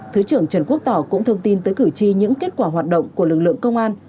thứ trưởng trần quốc tỏ cũng thông tin tới cử tri những kết quả hoạt động của lực lượng công an